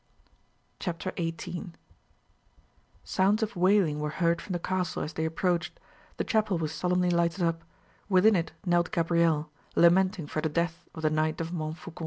CHAPTER 18 Sounds of wailing were heard from the castle as they approached; the chapel was solemnly lighted up; within it knelt Gabrielle, lamenting for the death of the Knight of Montfaucon.